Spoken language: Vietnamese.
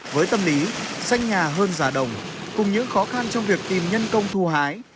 với tâm lý xanh nhà hơn già đồng cùng những khó khăn trong việc tìm nhân công thu hái